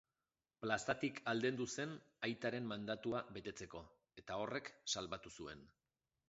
Plazatik aldendu zen aitaren mandatua betetzeko, eta horrek salbatu zuen.